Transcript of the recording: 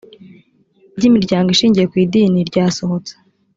by imiryango ishingiye ku idini ryasohotse